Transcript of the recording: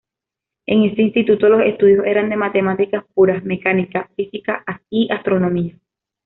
En este instituto los estudios eran de matemáticas puras, mecánica, física y astronomía.